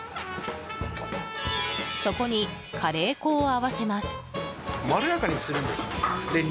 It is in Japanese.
そこにカレー粉を合わせます。